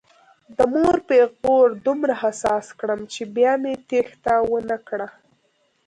د مور پیغور دومره حساس کړم چې بیا مې تېښته ونه کړه.